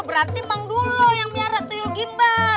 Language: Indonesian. berarti mang dulo yang merah tuyul gimbal